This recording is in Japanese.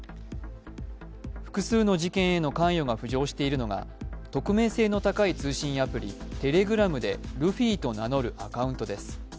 複数の事件への関与が浮上しているのが、匿名性の高い通信アプリ、Ｔｅｌｅｇｒａｍでルフィと名乗るアカウントです。